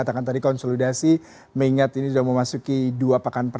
taktos di bawah rp satu lima ratus tujuh puluh